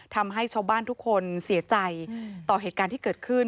ทำให้ชาวบ้านทุกคนเสียใจต่อเหตุการณ์ที่เกิดขึ้น